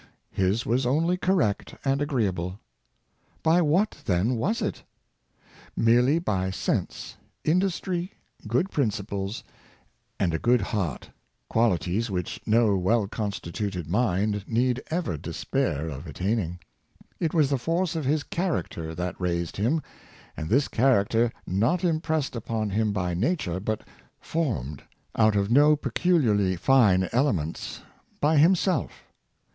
^ His was only correct and agreeable. By what, then, was it? Merely by sense, industry, good principles, and a good heart — qualities which no well constituted mind need ever despair of attaining. It was the force of his char ' acter that raised him; and this character not impressed upon him by nature, but formed, out of no peculiarly fine elements, by himself.